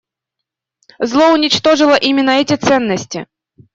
Зло уничтожило именно эти ценности.